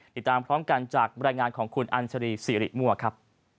ติดตามพร้อมกันจากบรรยายงานของคุณอัญชรีสิริมั่วครับ